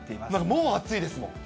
もう暑いですもん。